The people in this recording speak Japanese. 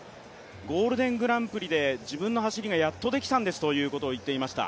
ゴールデングランプリで自分の走りがやっとできたんですということを言っていました。